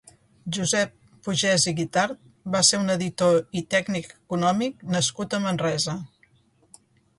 Josep Pugès i Guitart va ser un editor i tècnic econòmic nascut a Manresa.